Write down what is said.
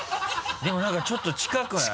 でも何かちょっと近くない？